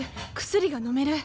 薬がのめる！